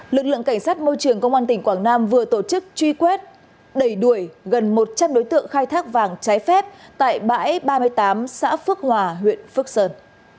lực lượng cảnh sát môi trường công an tỉnh quảng nam vừa tổ chức truy quét đẩy đuổi gần một trăm linh đối tượng khai thác vàng trái phép tại bãi ba mươi tám xã phước hòa huyện phước sơn